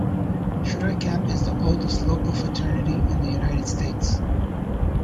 Tri-Kap is the oldest local fraternity in the United States.